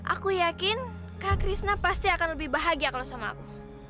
aku yakin kak krishna pasti akan lebih bahagia kalau sama aku